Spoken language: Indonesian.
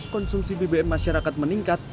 konsumsi bbm masyarakat meningkat